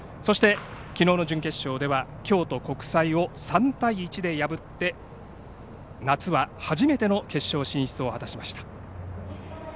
きのうの準決勝では京都国際を３対１で破って夏は初めての決勝進出を果たしました。